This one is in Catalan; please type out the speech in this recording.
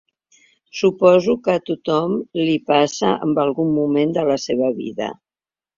Suposo que a tothom li passa en algun moment de la seva vida.